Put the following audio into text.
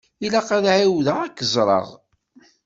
Ilaq ad εawdeɣ ad k-ẓreɣ.